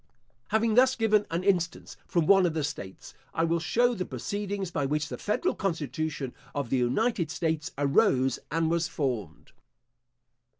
Having thus given an instance from one of the states, I will show the proceedings by which the federal constitution of the United States arose and was formed.